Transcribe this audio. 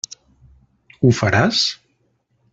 Ho faràs?